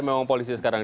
memang polisi sekarang